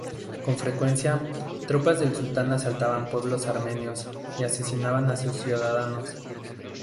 Con frecuencia, tropas del Sultán asaltaban pueblos armenios y asesinaban a sus ciudadanos.